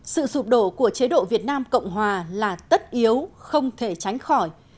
sự sụp đổ của chế độ việt nam cộng hòa là tất yếu không thể tránh khỏi